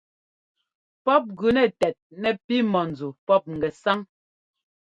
Pɔ́p gʉnɛ tɛt nɛ pi mɔ̂nzu pɔ́p ŋgɛsáŋ.